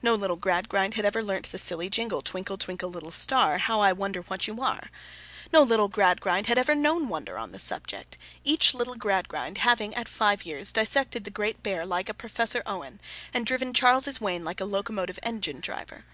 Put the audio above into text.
No little Gradgrind had ever learnt the silly jingle, Twinkle, twinkle, little star; how I wonder what you are! No little Gradgrind had ever known wonder on the subject, each little Gradgrind having at five years old dissected the Great Bear like a Professor Owen, and driven Charles's Wain like a locomotive engine driver.